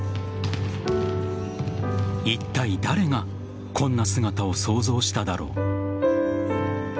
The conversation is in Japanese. いったい、誰がこんな姿を想像しただろう。